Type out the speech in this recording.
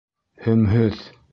Һөмһөҙ!